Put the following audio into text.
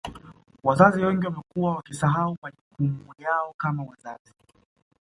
Wazazi wengi wamekuwa wakisahau majukumu yao kama wazazi